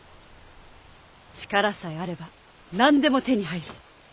力さえあれば何でも手に入る！